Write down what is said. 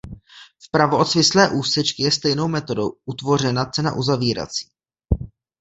Vpravo od svislé úsečky je stejnou metodou utvořena cena uzavírací.